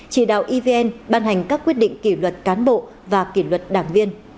chỉ đạo evn ban hành các quyết định kỷ luật cán bộ và kỷ luật đảng viên